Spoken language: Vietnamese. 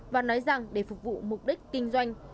và nói rằng để phục vụ mục đích kinh doanh